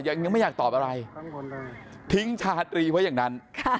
ยังไม่อยากตอบอะไรทิ้งชาตรีไว้อย่างนั้น